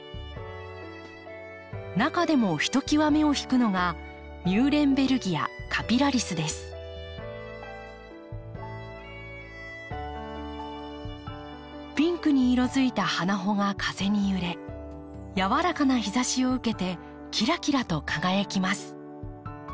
中でもひときわ目を引くのがピンクに色づいた花穂が風に揺れ柔らかな日ざしを受けてきらきらと輝きます。